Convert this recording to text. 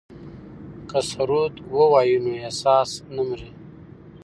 که سرود ووایو نو احساس نه مري.